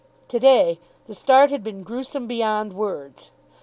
To day the start had been gruesome beyond words.